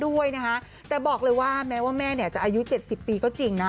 ด้วยนะคะแต่บอกเลยว่าแม้ว่าแม่เนี่ยจะอายุ๗๐ปีก็จริงนะ